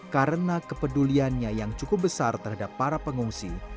karena kepeduliannya yang cukup besar terhadap para pengungsi